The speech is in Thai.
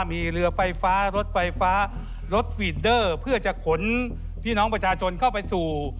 มีเรือไฟฟ้ารถไฟฟ้ารถฟีดเดอร์เพื่อจะขนพี่น้องประชาชนเข้าไปสู่